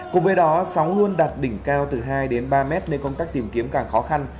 cùng với đó sóng luôn đặt đỉnh cao từ hai đến ba mét nên công tác tìm kiếm càng khó khăn